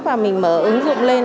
và mình mở ứng dụng lên